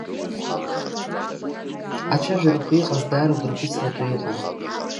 Ацәажәарақәа иҟаз даара удырхәыцыртә иҟан.